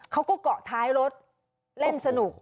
เขาก็เกาะท้ายรถเล่นสนุก